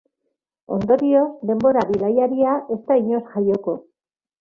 Ondorioz, denbora-bidaiaria ez da inoiz jaioko.